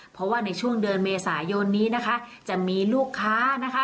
เพราะว่าในช่วงเดือนเมษายนนี้นะคะจะมีลูกค้านะคะ